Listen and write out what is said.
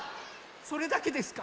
それだけですか？